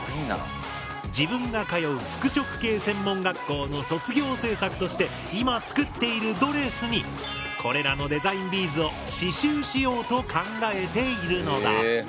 自分が通う服飾系専門学校の卒業制作として今作っているドレスにこれらのデザインビーズを刺しゅうしようと考えているのだ。